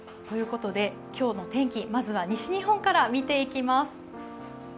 今日の天気、まずは西日本から見ていきます。